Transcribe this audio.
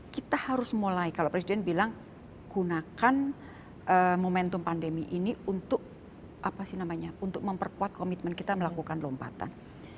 kita harus mulai kalau presiden bilang gunakan momentum pandemi ini untuk memperkuat komitmen kita melakukan lompatan